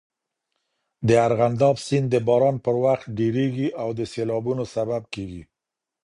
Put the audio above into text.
د ارغنداب سیند د باران پر وخت ډېریږي او د سیلابونو سبب کېږي.